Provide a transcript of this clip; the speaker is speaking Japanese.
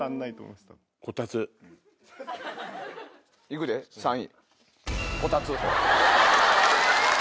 行くで３位。